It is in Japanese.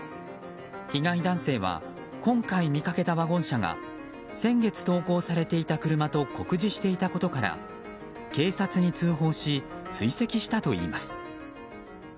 被害男性は今回見かけたワゴン車が先月、投稿されていた車と酷似していたことから警察に通報し追跡したといいます。